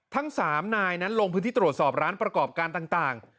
ทั้ง๓นายนั้นลงพื้นที่ตรวจสอบร้านประกอบการต่าง